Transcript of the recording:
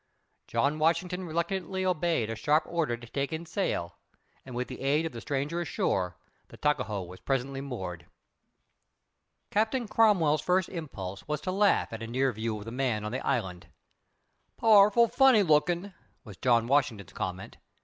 John Washington reluctantly obeyed a sharp order to take in sail, and, with the aid of the stranger ashore, the Tuckahoe was presently moored. Captain Cromwell's first impulse was to laugh at a near view of the man on the island. "Powerful funny lookin'," was John Washington's comment.